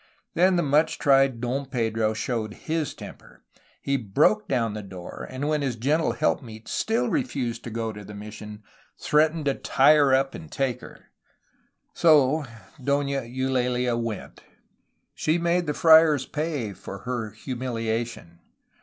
Then the much tried Don Pedro showed his temper. He broke down the door, and when his gentle helpmeet still refused to go to the mission threatened to tie her up and take her. So Dona Eulaha went. She made the friars pay for her humiliation.